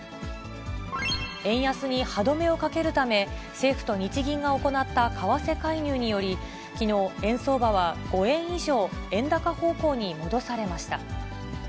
円安に歯止めをかけるため、政府と日銀が行った為替介入により、きのう、円相場は５円以上円高方向に戻されました。